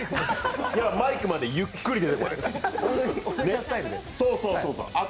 マイクまでゆっくり出てこないと。